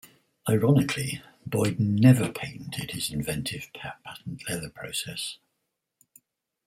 Ironically, Boyden never patented his inventive patent leather process.